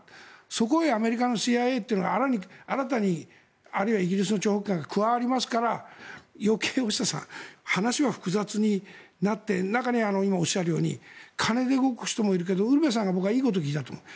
そこへアメリカのＣＩＡが新たにあるいはイギリスの諜報機関が加わりますから余計、話は複雑になって中には今おっしゃるように金で動く人もいるけれどウルヴェさんが僕はいいことを言ったと思う。